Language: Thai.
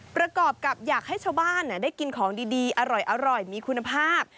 ประกอบกับอยากให้ชาวบ้านได้กินของดีอร่อยมีคุณภาพ